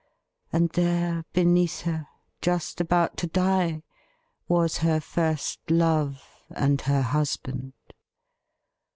And there beneath her, just about to die, was her first love and her husband.